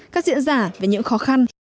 các diễn giả về những khó khăn